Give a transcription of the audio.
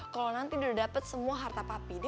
kalau nanti dia udah dapet semua yang dia mau ngasih